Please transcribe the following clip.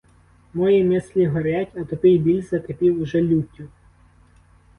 Мої мислі горять, а тупий біль закипів уже люттю.